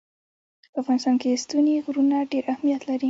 په افغانستان کې ستوني غرونه ډېر اهمیت لري.